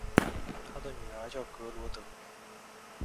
他的女儿叫格萝德。